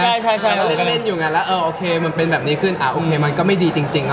พี่ต้องไหวฟราชนะแล้วว่ามันอยู่นั้นแล้วโอเคมันเป็นแบบนี้ขึ้นอ่ามันก็ไม่ดีจริง